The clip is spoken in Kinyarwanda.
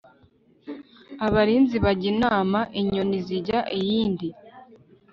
abalinzi bajya inama inyoni zijya iyindi